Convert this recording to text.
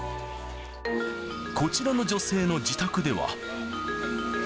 こちらの女性の自宅では。